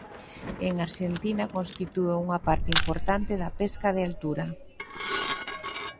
En Arxentina constitúe unha parte importante da pesca de altura.